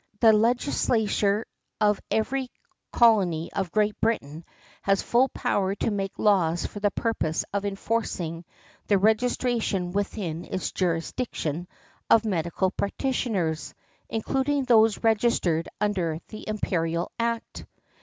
The legislature of every colony of Great Britain has full power to make laws for the purpose of enforcing the registration within its jurisdiction of medical practitioners, including those registered under the Imperial Act.